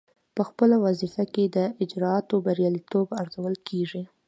پخپله وظیفه کې د اجرااتو بریالیتوب ارزول کیږي.